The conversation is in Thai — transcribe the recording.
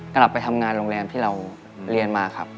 กลับไปทำงานโรงแรมที่เราเรียนมาครับ